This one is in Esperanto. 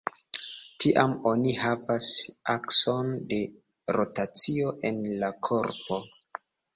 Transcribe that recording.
Tiam oni havas akson de rotacio en la korpo.